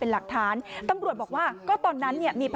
สองสามีภรรยาคู่นี้มีอาชีพ